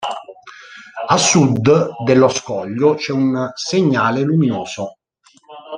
A sud dello scoglio c'è un segnale luminoso.